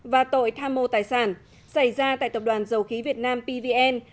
và tội tham mô tài sản xảy ra tại tập đoàn dầu khí việt nam pvn